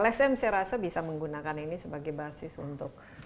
lsm saya rasa bisa menggunakan ini sebagai basis untuk